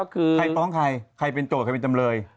คือใครฟ้องใครใครเป็นโจทย์ใครเป็นจำเลย